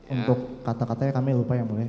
untuk kata katanya kami lupa ya mulia